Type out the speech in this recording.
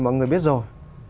mọi người biết rồi